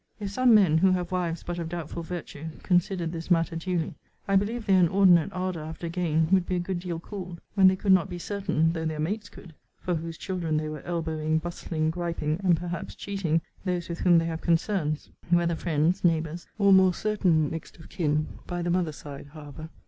If some men, who have wives but of doubtful virtue, considered this matter duly, I believe their inordinate ardour after gain would be a good deal cooled, when they could not be certain (though their mates could) for whose children they were elbowing, bustling, griping, and perhaps cheating, those with whom they have concerns, whether friends, neighbours, or more certain next of kin, by the mother's side however.